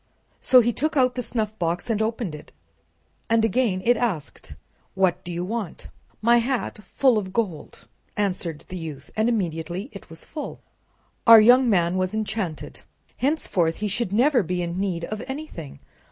So he took out the snuffbox and opened it, and again it asked: "What do you want?" "My hat full of gold," answered the youth, and immediately it was full. Our young man was enchanted. Henceforth he should never be in need of anything.